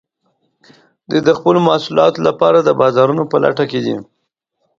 دوی د خپلو محصولاتو لپاره د بازارونو په لټه کې دي